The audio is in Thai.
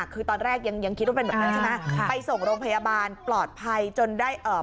คือตอนแรกยังคิดว่าเป็นแบบนั้นใช่ไหม